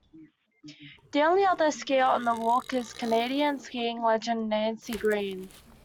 The only other skier on the walk is Canadian skiing legend Nancy Greene.